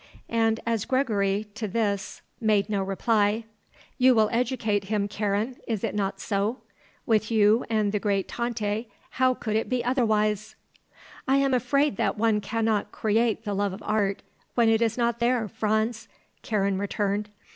And as Gregory, to this, made no reply, "You will educate him, Karen; is it not so? With you and the great Tante, how could it be otherwise?" "I am afraid that one cannot create the love of art when it is not there, Franz," Karen returned.